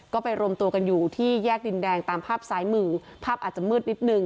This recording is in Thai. ก็ไปรวมตัวกันอยู่ที่แยกดินแดงตามภาพซ้ายมือภาพอาจจะมืดนิดนึง